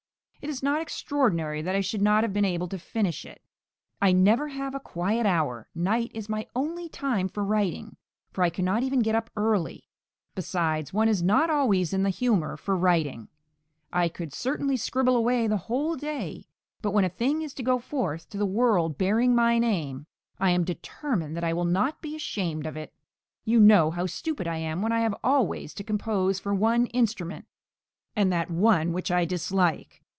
It is not extraordinary that I should not have been able to finish it. I never have a quiet hour; night is my only time for writing, for I cannot even get up early. Besides, one is not always in the humour for writing. I could certainly scribble away the whole day; but when a thing is to go forth to the world bearing my name, I am determined that {MANNHEIM.} (414) I will not be ashamed of it. You know how stupid I am when I have always to compose for one instrument (and that one which I dislike).